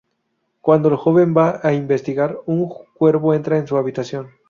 Cuando el joven va a investigar, un cuervo entra a su habitación.